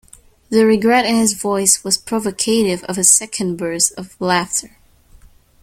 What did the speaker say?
The regret in his voice was provocative of a second burst of laughter.